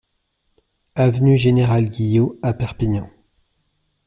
Avenue Général Guillaut à Perpignan